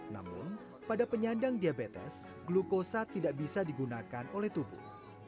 namun pada penyandang diabetes glukosa tidak bisa digunakan oleh tubuh